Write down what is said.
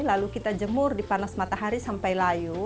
lalu kita jemur di panas matahari sampai layu